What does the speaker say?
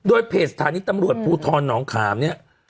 เวสฐานิตทำรวจภูทรหนองขามเนี้ย